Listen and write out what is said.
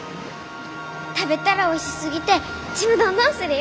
食べたらおいしすぎてちむどんどんするよ！